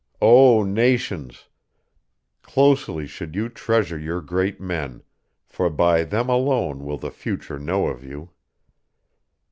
O nations! closely should you treasure your great men, for by them alone will the future know of you.